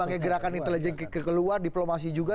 banyak gerakan intelijen ke luar diplomasi juga